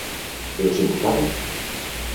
E os imputados?